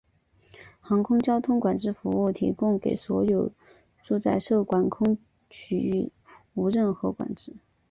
航空交通管制服务提供给所有在受管空域则无任何管制。